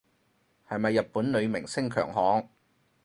係咪日本女明星強項